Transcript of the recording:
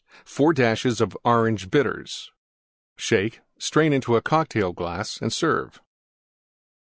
4 dashes Orange Bitters. Shake; strain into Cocktail glass and serve.